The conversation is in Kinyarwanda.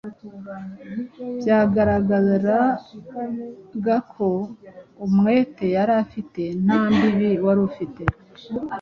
Byagaragaraga ko umwete yari afite nta mbibi wari ufite.